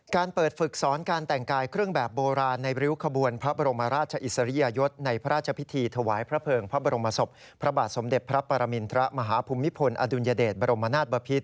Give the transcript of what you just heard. การเปิดฝึกสอนการแต่งกายเครื่องแบบโบราณในริ้วขบวนพระบรมราชาอิสริยะยศครับ